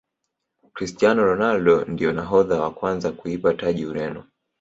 cristiano ronaldo ndiye nahodha wa kwanza kuipa taji Ureno